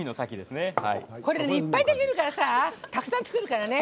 いっぱいできるからさたくさん作るからね。